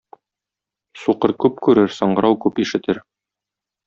Сукыр күп күрер, саңгырау күп ишетер.